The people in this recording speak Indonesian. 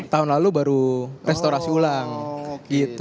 tahun lalu baru restorasi ulang gitu